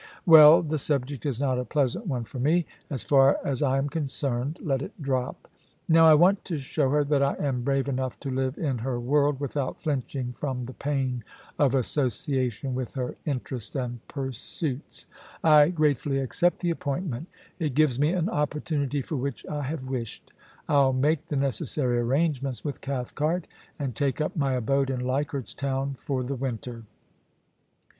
Well ! the subject is not a pleasant one for me. As far as I am con cerned, let it drop. Now I want to show her that I am brave enough to live in her world without flinching from the pain of association with her interest and pursuits. I grate fully accept the appointment It gives me an opportunity for which I have wished. I'll make the necessary arrange ments with Cathcart, and take up my abode in Leichardt's Town for the winter.